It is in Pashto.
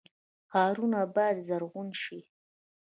ښارونه باید زرغون شي